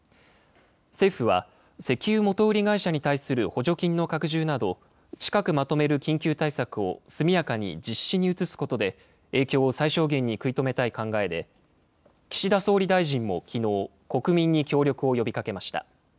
政府は、石油元売り会社に対する補助金の拡充など、近くまとめる緊急対策を速やかに実施に移すことで、影響を最小限に食い止めたい考えで、岸田総理大臣もきのう、国民に協力を呼びかけました。